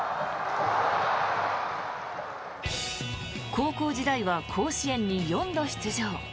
高校時代は甲子園に４度出場。